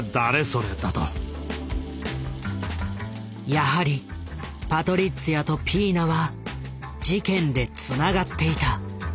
やはりパトリッツィアとピーナは事件でつながっていた。